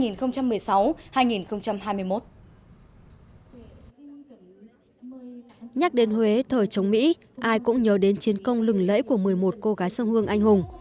nhắc đến huế thời chống mỹ ai cũng nhớ đến chiến công lừng lẫy của một mươi một cô gái sông hương anh hùng